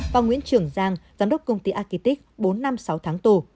và nguyễn trường giang giám đốc công ty akitic bốn năm sáu tháng tù